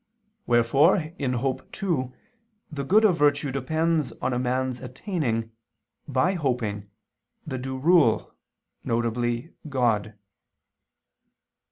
Wherefore in hope too, the good of virtue depends on a man's attaining, by hoping, the due rule, viz. God.